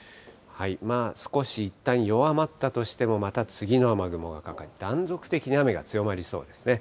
少しいったん弱まったとしても、また次の雨雲がかかって、断続的に雨が強まりそうですね。